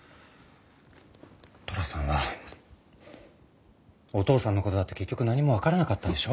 寅さんはお父さんの事だって結局何もわからなかったんでしょ？